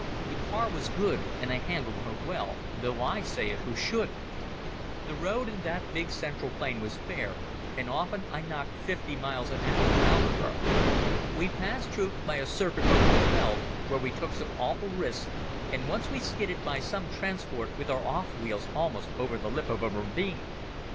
The car was good, and I handled her well, though I say it who shouldn't. The road in that big central plain was fair, and often I knocked fifty miles an hour out of her. We passed troops by a circuit over the veld, where we took some awful risks, and once we skidded by some transport with our off wheels almost over the lip of a ravine.